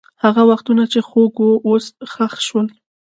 هغه وختونه چې خوږ وو، اوس ښخ شول.